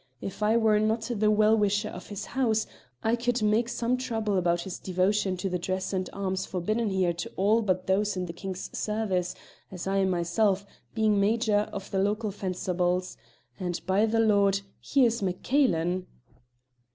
If I were not the well wisher of his house, I could make some trouble about his devotion to the dress and arms forbidden here to all but those in the king's service, as I am myself, being major of the local Fencibles. And by the Lord! here's MacCailen!"